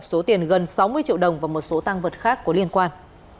số tiền gần sáu mươi triệu đồng và một số tăng vật khác có liên quan